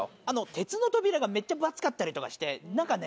鉄の扉がめっちゃ分厚かったりとかしてなんかね